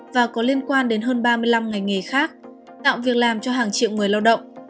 và có liên quan đến hơn ba mươi năm ngành nghề khác tạo việc làm cho hàng triệu người lao động